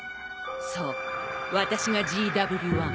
そう私がＧＷ−１。